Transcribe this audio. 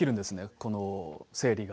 この整理が。